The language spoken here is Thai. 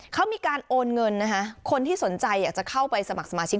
เขามีการโอนเงินนะคะคนที่สนใจอยากจะเข้าไปสมัครสมาชิก